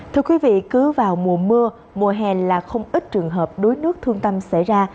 thưa quý vị cứ vào mùa mưa mùa hè là không ít trường hợp đuối nước thương tâm xảy ra